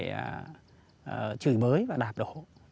và chửi mới và đạp đổ